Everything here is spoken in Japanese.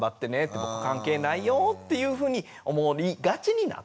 僕関係ないよっていうふうに思いがちになってしまう。